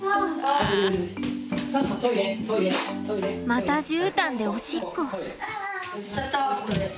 またじゅうたんでおしっこ。